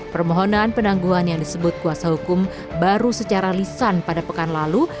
permohonan penangguhan yang disebut kuasa hukum baru secara lisan pada pekan lalu